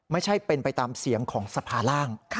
ไม่ใช่เป็นไปตามเสียงของสภาร่าง